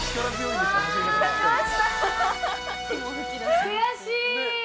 悔しい。